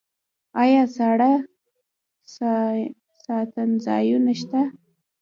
آیا ساړه ساتنځایونه شته؟